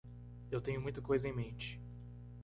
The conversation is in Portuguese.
Eu tenho muita coisa em mente.